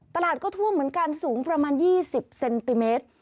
ตลาดก็ท่วมเหมือนกันสูงประมาณ๒๐เซนติเมตร